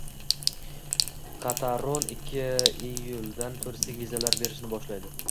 Qataro'n ikkiiyuldan turistik vizalar berishni boshlaydi